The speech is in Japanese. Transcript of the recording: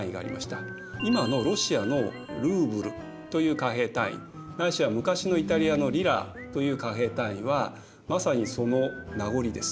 今のロシアのルーブルという貨幣単位ないしは昔のイタリアのリラという貨幣単位はまさにその名残です。